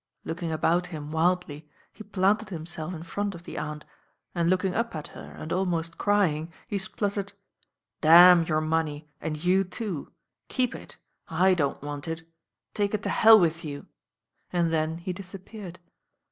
Locking about him wildly, he planted himself in front of the Aunt, and looking up at her and almost crying, he spluttered —" 'Damn your money, and you too. Keep it. I don't want it. Take it to hell with you,' and then he disappeared.